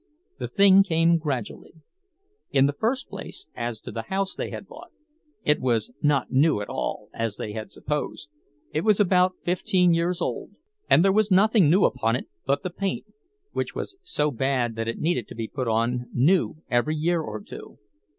The thing came gradually. In the first place as to the house they had bought, it was not new at all, as they had supposed; it was about fifteen years old, and there was nothing new upon it but the paint, which was so bad that it needed to be put on new every year or two.